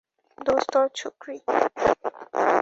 দোস্ত, তোর ছুকরি!